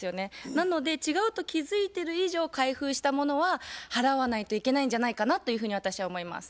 なので違うと気付いてる以上開封したものは払わないといけないんじゃないかなというふうに私は思います。